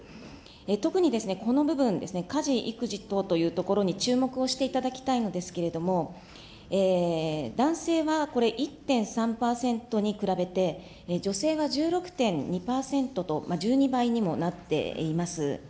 特にですね、この部分ですね、家事、育児等というところに注目をしていただきたいのですけれども、男性はこれ、１．３％に比べて、女性は１６．２％と、１２倍にもなっています。